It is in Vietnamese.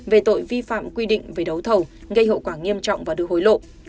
về tội vi phạm quy định về đấu thầu gây hậu quả nghiêm trọng và đưa hối lộ